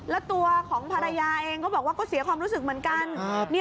แล้วตัวของภรรยาเองก็บอกว่าก็เสียความรู้สึกเหมือนกัน